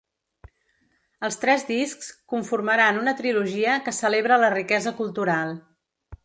Els tres discs conformaran una trilogia que celebra la riquesa cultural.